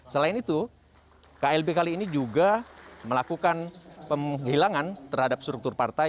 selain itu klb kali ini juga melakukan penghilangan terhadap struktur partai